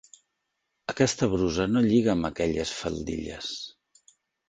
Aquesta brusa no lliga amb aquelles faldilles.